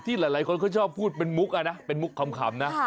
หลายคนเขาชอบพูดเป็นมุกเป็นมุกขำนะ